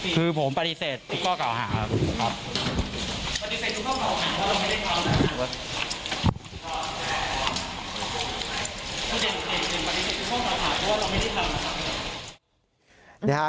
คือผมปฏิเสธทุกข้อเก่าหาครับ